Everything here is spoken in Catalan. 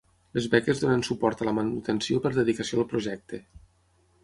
Les beques donen suport a la manutenció per dedicació al projecte.